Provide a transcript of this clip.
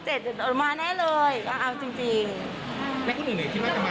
มาแน่เลยก็เอาจริงจริงแล้วคนอื่นไหนคิดว่าจะมา